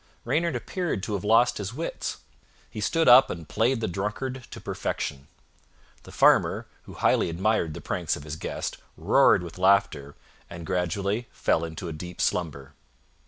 Reynard appeared to have lost his wits; he stood up and played the drunkard to perfection. The Farmer, who highly admired the pranks of his guest, roared with laughter, and gradually fell into a deep slumber.